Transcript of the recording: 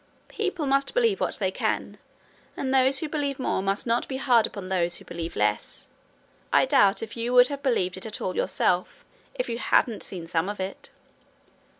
'People must believe what they can, and those who believe more must not be hard upon those who believe less. I doubt if you would have believed it all yourself if you hadn't seen some of it.'